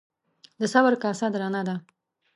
ـ د صبر کاسه درنه ده.